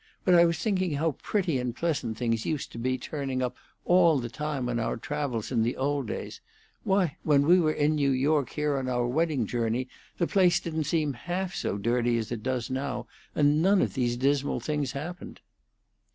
But I was thinking how pretty and pleasant things used to be turning up all the time on our travels in the old days. Why, when we were in New York here on our wedding journey the place didn't seem half so dirty as it does now, and none of these dismal things happened."